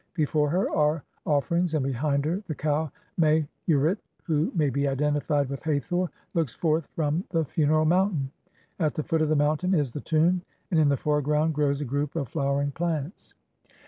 Before her are offer ings, and behind her the cow Meh urit, who may be identified with Hathor, looks forth from the funeral mountain. At the foot of the mountain is the tomb, and in the foreground grows a group of flowering plants.